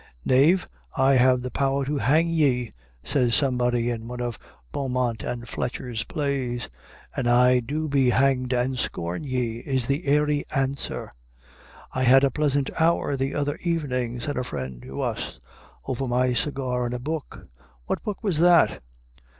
"Knave, I have the power to hang ye," says somebody in one of Beaumont and Fletcher's plays. "And I do be hanged and scorn ye," is the airy answer. "I had a pleasant hour the other evening," said a friend to us, "over my cigar and a book." "What book was that?"